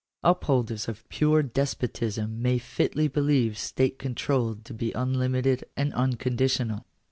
Upholders of pure despotism may fitly believe state control to be unlimited and unconditional.